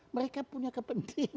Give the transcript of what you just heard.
mereka punya kepentingan